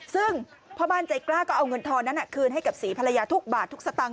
ซึ่งพ่อบ้านใจกล้าก็เอาเงินทอนนั้นคืนให้กับศรีภรรยาทุกบาททุกสตางค